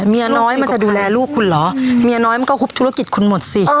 เมียน้อยมันจะดูแลลูกคุณเหรอเมียน้อยมันก็ฮุบธุรกิจคุณหมดสิ